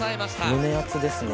胸熱ですね